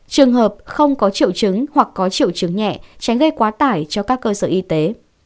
trường hợp không có triệu chứng hoặc có triệu chứng nhẹ tránh gây quá tải cho các cơ sở y tế